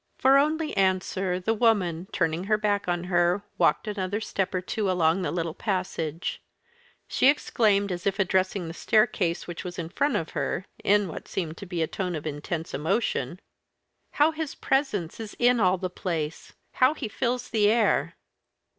For only answer the woman, turning her back on her, walked another step or two along the little passage. She exclaimed, as if addressing the staircase, which was in front of her, in what seemed a tone of intense emotion "How his presence is in all the place! How he fills the air!"